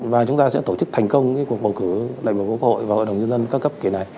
và chúng ta sẽ tổ chức thành công cuộc bầu cử đại biểu quốc hội và hội đồng nhân dân cao cấp kỷ này